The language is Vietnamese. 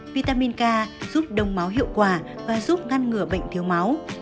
vitamin k giúp đông máu hiệu quả và giúp ngăn ngừa bệnh thiếu máu